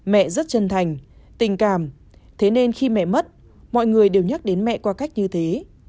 mẹ rất chân thành tình cảm thế nên khi mẹ mất mọi người đều nhắc đến mẹ qua cách như thế